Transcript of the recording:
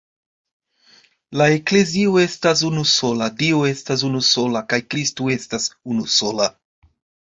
La Eklezio estas unusola, Dio estas unusola kaj Kristo estas unusola.